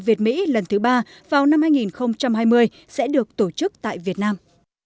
việt mỹ lần thứ ba vào năm hai nghìn hai mươi sẽ được tổ chức tại việt nam